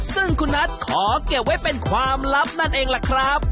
ซึ่งคุณนัทขอเก็บไว้เป็นความลับนั่นเองล่ะครับ